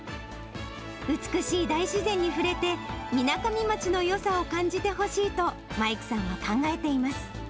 美しい大自然に触れて、みなかみ町のよさを感じてほしいと、マイクさんは考えています。